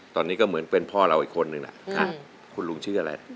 ตอนนี้ก็เหมือนเป็นพ่อเราอีกคนนึงล่ะคุณลุงชื่ออะไร